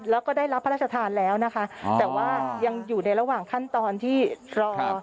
แล้วก็ได้รับพระราชทานแล้วนะคะแต่ว่ายังอยู่ในระหว่างขั้นตอนที่รอ